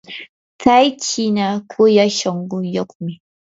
tsay chiina kuyay shunquyuqmi.